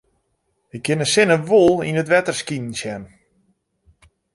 Ik kin de sinne wol yn it wetter skinen sjen.